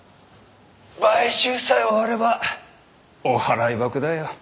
買収さえ終わればお払い箱だよ。